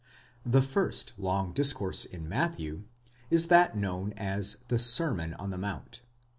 The first long discourse in Matthew is that known as the Sermon on the Mount (v.